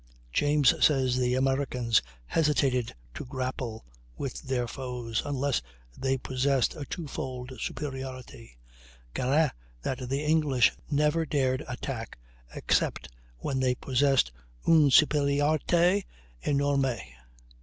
James says the Americans "hesitated to grapple" with their foes "unless they possessed a twofold superiority"; Guérin that the English "never dared attack" except when they possessed "une supériorité énorme."